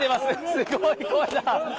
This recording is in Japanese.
すごい声だ。